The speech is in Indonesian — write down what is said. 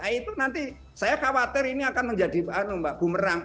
nah itu nanti saya khawatir ini akan menjadi bumerang